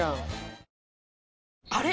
あれ？